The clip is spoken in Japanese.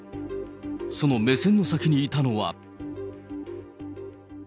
その目線の先にいたのは。